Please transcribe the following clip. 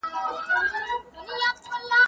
افغانان په میلمه پالنه کې مشهور دي.